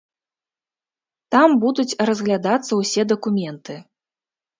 Там будуць разглядацца ўсе дакументы.